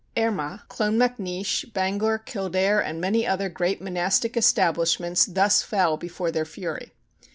Armagh, Clonmacnois, Bangor, Kildare, and many other great monastic establishments thus fell before their fury.